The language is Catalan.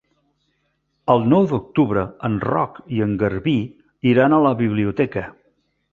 El nou d'octubre en Roc i en Garbí iran a la biblioteca.